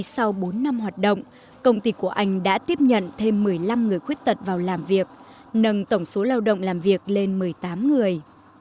sau bốn năm hoạt động công ty của anh đã tiếp nhận thêm một mươi năm người khuyết tật vào làm việc nâng tổng số lao động làm việc lên một mươi tám người